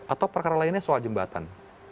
atau perkara lainnya soal jembatan